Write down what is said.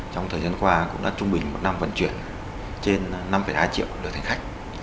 trong thời gian qua cũng đã trung bình một năm vận chuyển trên năm hai triệu được thành khách